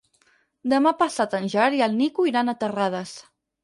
Demà passat en Gerard i en Nico iran a Terrades.